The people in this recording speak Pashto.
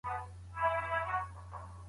کور ته دننوتو پر مهال سلام لازمي دی.